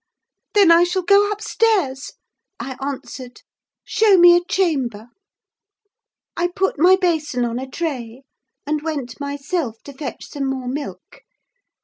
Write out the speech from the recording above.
"Then I shall go upstairs," I answered; "show me a chamber." I put my basin on a tray, and went myself to fetch some more milk.